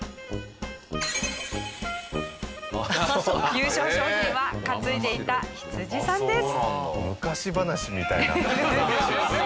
優勝賞品は担いでいた羊さんです。